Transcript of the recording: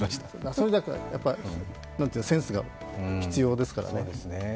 それだけセンスが必要ですからね。